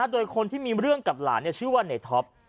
โดยคนที่มีเรื่องกับหลานชื่อว่าในท็อป